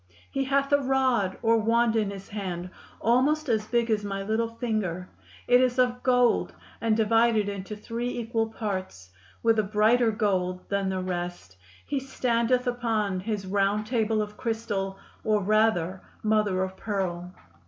He hath a rod or wand in his hand, almost as big as my little finger; it is of Gold, and divided into three equal parts, with a brighter Gold than the rest. He standeth upon his round table of Christal, or rather Mother of Pearl.